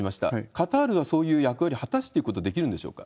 カタールはそういう役割を果たしていくことできるんでしょうか？